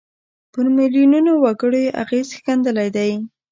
پر میلیونونو وګړو یې اغېز ښندلی دی.